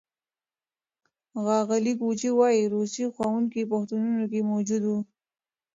ښاغلي کوچي وايي، روسي ښوونکي پوهنتونونو کې موجود وو.